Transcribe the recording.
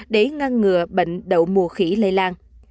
để ngăn ngừa bệnh đậu mùa khỉ lây lan